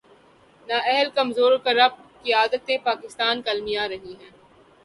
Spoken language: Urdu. نا اہل‘ کمزور اور کرپٹ قیادتیں پاکستان کا المیہ رہی ہیں۔